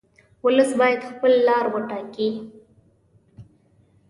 ولس باید خپله لار وټاکي.